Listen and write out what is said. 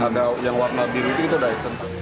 ada yang warna biru itu itu daik